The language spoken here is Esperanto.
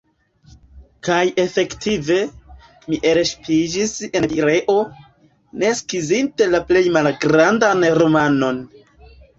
Kaj efektive, mi elŝipiĝis en Pireo, ne skizinte la plej malgrandan romanon.